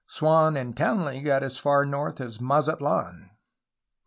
Swan and Townley got as far north as Mazatldn.